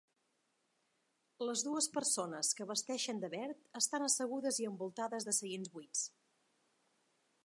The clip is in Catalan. Les dues persones que vesteixen de verd estan assegudes i envoltades de seients buits.